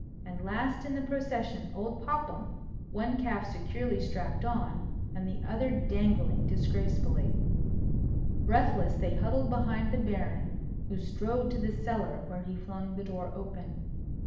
And last in the procession, old Popham, one calf securely strapped on, and the other dangling disgracefully. Breathless they huddled behind the Baron, who strode to the cellar, where he flung the door open.